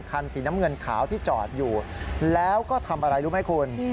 คันสีน้ำเงินขาวที่จอดอยู่แล้วก็ทำอะไรรู้ไหมคุณ